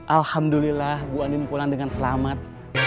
alhamdulillah bu andin pulang dengan selamat